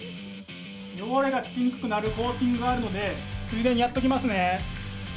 汚れがつきにくくなるコーティングがあるので、ついでにやっておきますね。